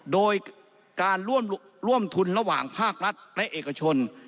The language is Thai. โดยการร่วมทุนระหว่างภาครัฐและเอกชน